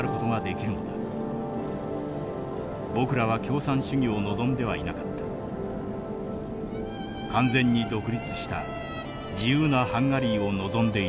僕らは共産主義を望んではいなかった。完全に独立した自由なハンガリーを望んでいたのだ」。